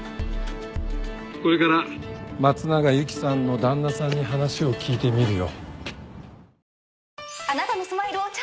これから松永由貴さんの旦那さんに話を聞いてみるよ。